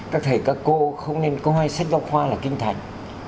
các thầy các cô không nên coi sách giáo khoa là kinh thành